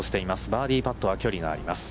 バーディーパットは距離があります。